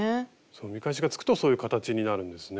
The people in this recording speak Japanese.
見返しがつくとそういう形になるんですね。